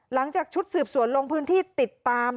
หลังจากชุดสืบสวนลงพื้นที่ติดตาม